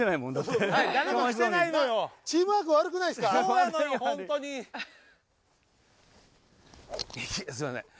すみません